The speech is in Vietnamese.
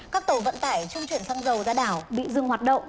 các tổ vận tải chung chuyển xăng dầu ra đảo bị dừng hoạt động